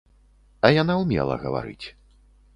А яна ўмела гаварыць.